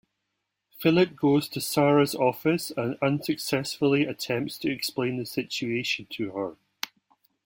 Philip goes to Sara's office and unsuccessfully attempts to explain the situation to her.